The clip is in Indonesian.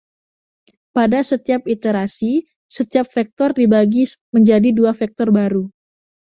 Pada setiap iterasi, setiap vektor dibagi menjadi dua vektor baru.